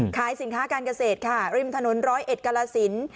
ขายสินค้าการเกษตรค่ะริมถนน๑๐๑กราศิลป์